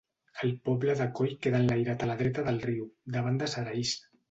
El poble de Cóll queda enlairat a la dreta del riu, davant de Saraís.